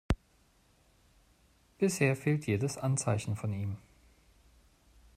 Bisher fehlt jedes Anzeichen von ihm.